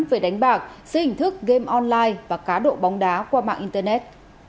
về đánh bạc dưới hình thức game online và cá độ bóng đá qua mạng internet